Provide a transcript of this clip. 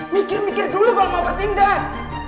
mikir mikir dulu bang mau bertindak